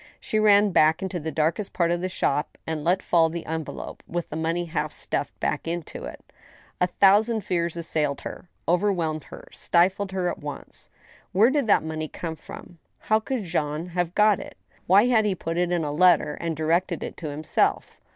She ran back into the darkest part of the shop, and let fall the envelope with the money half stuffed back into it. A thousand fears assailed her, overwhelmed her, stifled her at once. Where did that money come from ? How could Jean have got it ? Why had he put it in a letter and directed it to himself